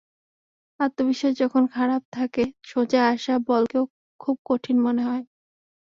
আত্মবিশ্বাস যখন খারাপ থাকে সোজা আসা বলকেও খুব কঠিন মনে হয়।